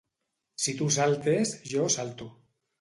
Si tu saltes, jo salto.